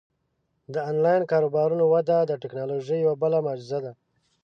د آنلاین کاروبارونو وده د ټیکنالوژۍ یوه بله معجزه ده.